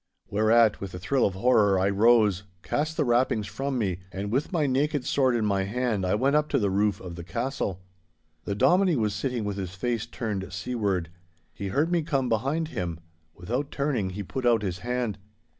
Whereat, with a thrill of horror, I rose, cast the wrappings from me, and, with my naked sword in my hand, I went up to the roof of the castle. The Dominie was sitting with his face turned seaward. He heard me come behind him. Without turning he put out his hand.